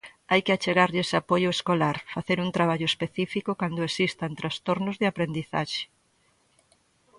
Hai que achegarlles apoio escolar, facer un traballo específico cando existan trastornos de aprendizaxe.